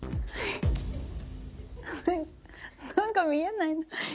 なんか見えない。